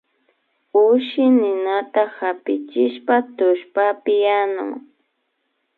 Ushi ninata hapichishpa tullpapi yanuy